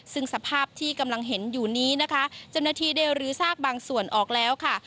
ซึ่งสภาพที่กำลังเห็นอยู่นี้นะคะเจ้าหน้าที่ได้รื้อซากบางส่วนออกแล้วค่ะ